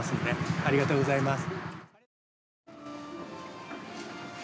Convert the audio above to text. ありがとうございます。